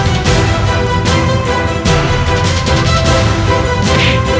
cuma saya alhamdulillah saya sudah bisa keluar dari tempat tersebut